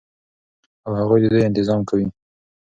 او هغوى ددوى انتظام كوي